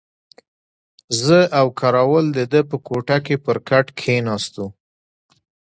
زه او کراول د ده په کوټه کې پر کټ کښېناستو.